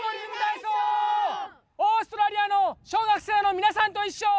オーストラリアの小学生のみなさんといっしょ！